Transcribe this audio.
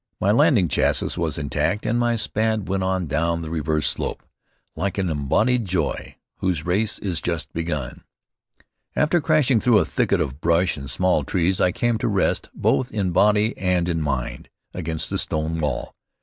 My landing chassis was intact and my Spad went on down the reverse slope "Like an embodied joy, whose race is just begun." After crashing through a thicket of brush and small trees, I came to rest, both in body and in mind, against a stone wall.